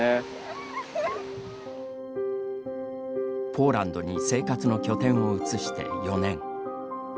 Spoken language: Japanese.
ポーランドに生活の拠点を移して４年。